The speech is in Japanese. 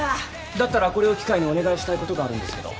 だったらこれを機会にお願いしたいことがあるんですけど。